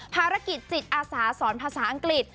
ภารกิจจิตอาสาสอนภาษาอังกฤษ